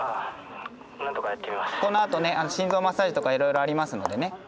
このあとね心臓マッサージとかいろいろありますのでね。